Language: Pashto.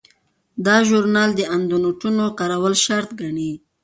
دا ژورنال د اندنوټونو کارول شرط ګڼي.